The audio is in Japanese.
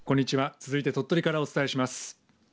続いて鳥取からお伝えします。